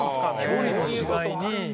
距離の違いに。